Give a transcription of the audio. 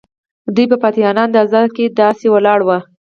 دوی په فاتحانه انداز کې داسې ولاړ وو.